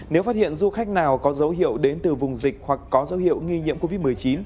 nếu phát hiện du khách nào có dấu hiệu đến từ vùng dịch hoặc có dấu hiệu nghi nhiễm covid một mươi chín